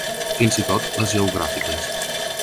Fins i tot les geogràfiques.